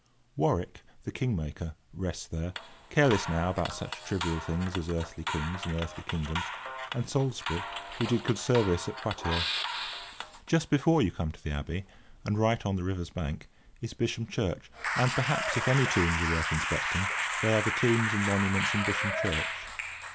Warwick, the king maker, rests there, careless now about such trivial things as earthly kings and earthly kingdoms; and Salisbury, who did good service at Poitiers. Just before you come to the abbey, and right on the river's bank, is Bisham Church, and, perhaps, if any tombs are worth inspecting, they are the tombs and monuments in Bisham Church.